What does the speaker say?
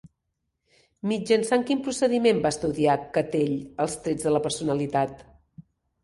Mitjançant quin procediment va estudiar Cattell els trets de la personalitat?